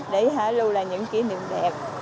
để luôn là những kỷ niệm đẹp